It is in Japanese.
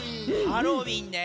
「ハロウィン」ね。